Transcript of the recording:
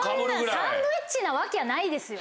サンドイッチなわけはないですよ。